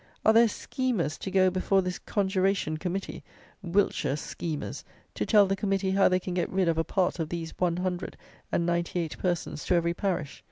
Are there schemers to go before this conjuration Committee; Wiltshire schemers, to tell the Committee how they can get rid of a part of these one hundred and ninety eight persons to every parish?